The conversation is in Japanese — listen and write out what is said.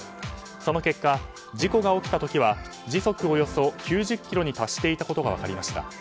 その結果、事故が起きた時は時速およそ９０キロに達していたことが分かりました。